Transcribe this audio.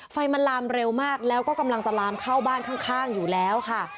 ไฟมันลามเร็วมากแล้วก็กำลังจะลามเข้าบ้านข้างอยู่แล้วค่ะ